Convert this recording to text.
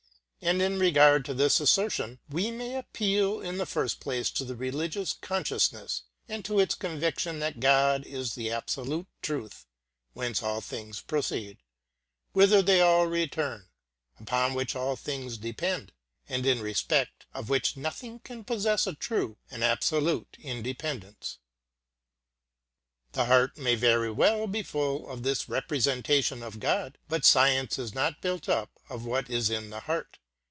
And in regard to this assertion, we may appeal in the first place to the religious consciousness, and to its conviction that God is the absolute truth whence all things proceed, whither they all return, upon which all things depend, and in respect of which nothing can possess a true and absolute independence. The heart may very well be full of this representation of God, but science is not built up of what is in the heart.